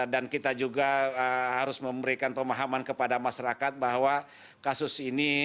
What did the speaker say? dan kita juga harus memberikan pemahaman kepada masyarakat bahwa kasus ini